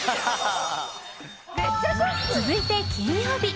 続いて金曜日。